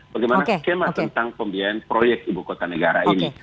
bagaimana skema tentang pembiayaan proyek ibu kota negara ini